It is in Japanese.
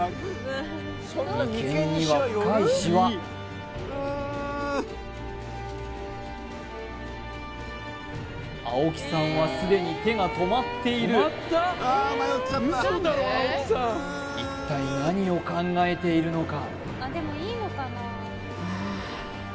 眉間には深いシワ青木さんはすでに手が止まっている一体何を考えているのか？